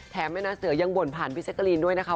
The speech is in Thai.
แถมแอนนาเสือยังบ่นผ่านพี่เซ็กเกอรีนด้วยนะคะ